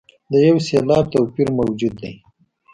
د یو سېلاب توپیر موجود دی.